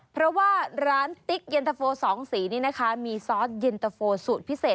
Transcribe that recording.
เพราะว่าร้านติ๊กเย็นตะโฟสองสีนี้นะคะมีซอสเย็นตะโฟสูตรพิเศษ